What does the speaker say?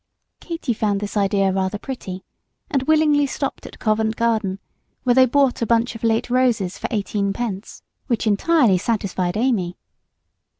Katy found this idea rather pretty, and willingly stopped at Covent Garden, where they bought a bunch of late roses for eighteen pence, which entirely satisfied Amy.